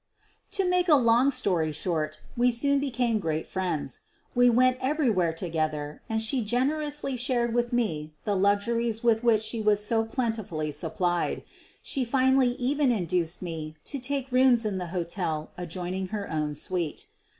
To make a long story short, we soon became great friends. We went everywhere together and she Q0EEN OF THE BUKGLAKS 105 generously shared with me the luxuries with which she was so plentifully supplied. She finally even induced me to take rooms in the hotel adjoining her own suite.